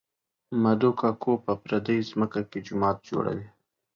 مدو کاکو په پردۍ ځمکه کې جومات جوړوي